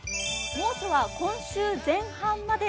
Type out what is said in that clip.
猛暑は今週前半まで。